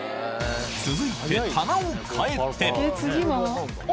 続いて棚を変えてお。